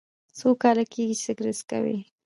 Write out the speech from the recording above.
څو کاله کیږي چې سګرټ څکوئ؟